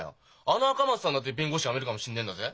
あの赤松さんだって弁護士やめるかもしんねえんだぜ。